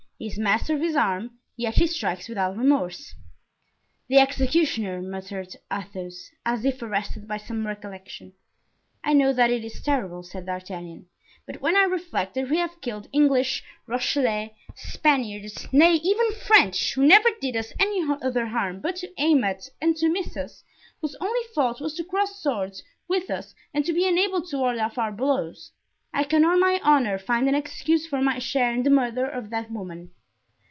He is master of his arm, yet he strikes without remorse." "The executioner!" muttered Athos, as if arrested by some recollection. "I know that it is terrible," said D'Artagnan; "but when I reflect that we have killed English, Rochellais, Spaniards, nay, even French, who never did us any other harm but to aim at and to miss us, whose only fault was to cross swords with us and to be unable to ward off our blows—I can, on my honor, find an excuse for my share in the murder of that woman."